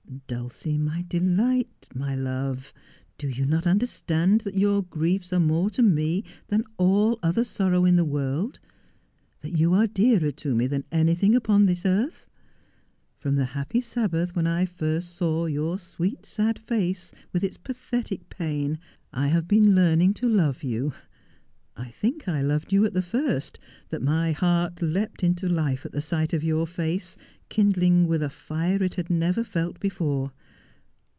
Dulcie, my delight, my love ; do you not understand that your griefs are more to me than all other sorrow in the world — that you are dearer to me than anything upon this earth 1 From the happy Sabbath when I first saw your sweet, sad face, with its pathetic pain, I have been learning to love you. I think I loved you at the first— that my heart leapt into life at the sight of your face, kindling with a fire it had never felt before.